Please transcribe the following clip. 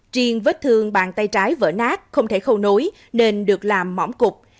triền vết thương bàn tay trái vỡ nát không thể khâu nối nên được làm mỏm cục